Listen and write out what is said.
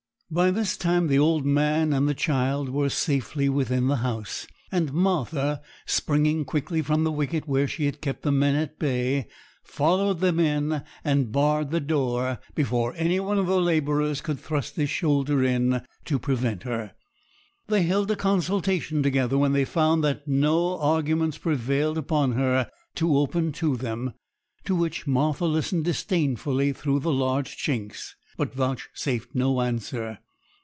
By this time the old man and the child were safely within the house; and Martha, springing quickly from the wicket, where she had kept the men at bay, followed them in, and barred the door, before any one of the labourers could thrust his shoulder in to prevent her. They held a consultation together when they found that no arguments prevailed upon her to open to them, to which Martha listened disdainfully through the large chinks, but vouchsafed no answer.